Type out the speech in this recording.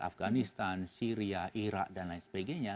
afganistan syria irak dan lain sebagainya